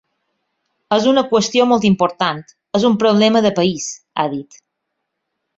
És una qüestió molt important, és un problema de país, ha dit.